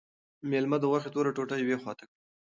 مېلمه د غوښې توره ټوټه یوې خواته کړه.